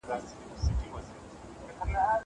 زه پرون سبزېجات جمع کوم.